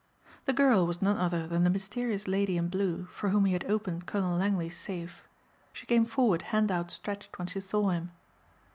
The girl was none other than the mysterious lady in blue for whom he had opened Colonel Langley's safe. She came forward hand outstretched when she saw him.